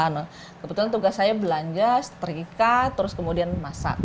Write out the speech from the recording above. nah kebetulan tugas saya belanja setrikat terus kemudian masak